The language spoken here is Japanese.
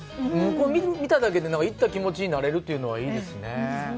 見ただけで行った気持ちになれるというのはいいですね。